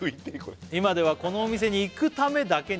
「今ではこのお店に行くためだけに」